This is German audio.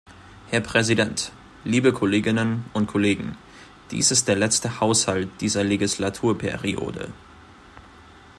Herr Präsident, liebe Kolleginnen und Kollegen, dies ist der letzte Haushalt dieser Legislaturperiode.